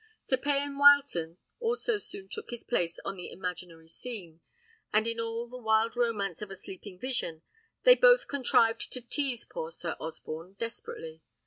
Sir Payan Wileton also soon took his place on the imaginary scene; and in all the wild romance of a sleeping vision, they both contrived to teaze poor Sir Osborne desperately.